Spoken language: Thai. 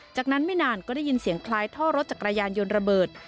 จากนั้นไม่นานก็ได้ยินเสียงคล้ายท่อรถจักรยานยนต์ระเบิด